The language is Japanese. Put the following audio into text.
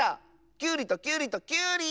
きゅうりときゅうりときゅうり！